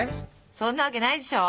そんなわけないでしょ！